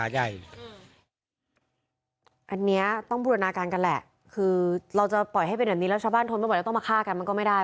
อันเนี่ยต้องบริวาราการกันแหละคือเราจะปล่อยให้เป็นอย่างนี้แล้วชาวบ้านทให้มาข้ากันต้องมาข้ากันอยู่ก็ไม่ได้